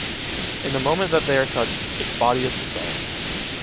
In the moment that they are touched, its body is dissolved.